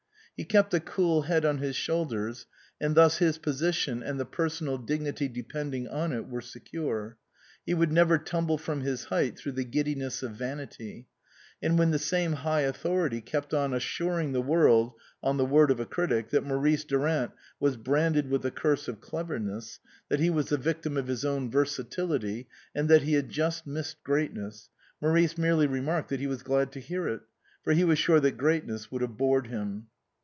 He kept a cool head on his shoulders, and thus his position and the personal dignity depending on it were secure. He would never tumble from his height through the giddiness of vanity ; and when the same high authority kept on assuring the world, on the word of a critic, that Maurice Durant was branded with the curse of cleverness, that he was the victim of his own versatility, and that he had just missed greatness, Maurice merely remarked that he was glad to hear it, for he was sure that greatness would have bored him.